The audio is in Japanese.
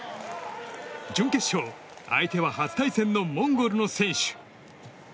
準決勝、相手は初対戦のモンゴルの選手。